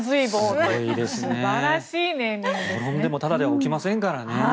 転んでもタダでは起きませんからね。